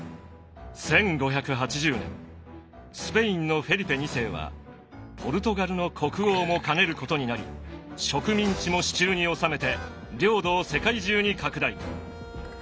スペインのフェリペ二世はポルトガルの国王も兼ねることになり植民地も手中に収めて領土を世界中に拡大。